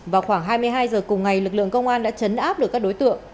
vào khoảng hai mươi hai giờ cùng ngày lực lượng công an đã chấn áp được các đối tượng